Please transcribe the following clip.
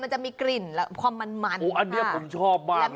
มันจะมีกลิ่นความมันอันนี้ผมชอบมากเลย